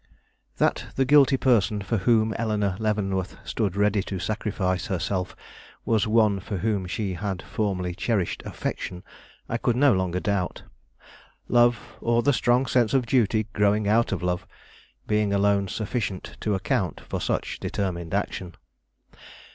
That the guilty person for whom Eleanore Leavenworth stood ready to sacrifice herself was one for whom she had formerly cherished affection, I could no longer doubt; love, or the strong sense of duty growing out of love, being alone sufficient to account for such determined action.